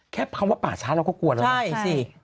แค่คำว่าป่าช้าเราก็กลัวแล้ว